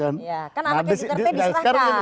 kan anaknya duterte diserahkan